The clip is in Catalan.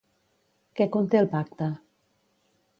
Què conté el pacte?